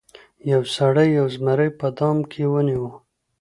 یو سړي یو زمری په دام کې ونیو.